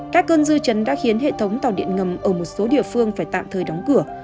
các cơn dư chấn đã khiến hệ thống tàu điện ngầm ở một số địa phương phải tạm thời đóng cửa